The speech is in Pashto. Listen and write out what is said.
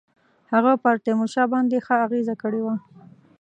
هغه پر تیمورشاه باندي ښه اغېزه کړې وه.